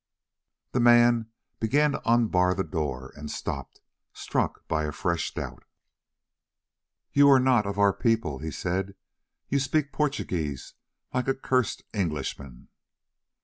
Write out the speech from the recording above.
The man began to unbar the door, and stopped, struck by a fresh doubt. "You are not of our people," he said; "you speak Portuguese like a cursed Englishman."